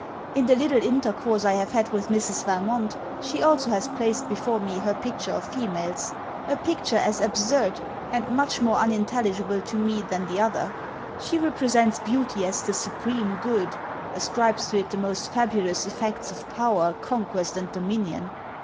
In the little intercourse I have had with Mrs. Valmont, she also has placed before me her picture of females: a picture as absurd and much more unintelligible to me than the other. She represents beauty as the supreme good; ascribes to it the most fabulous effects of power, conquest, and dominion.